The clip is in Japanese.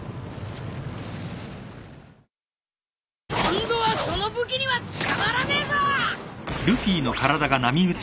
今度はその武器には捕まらねえぞ。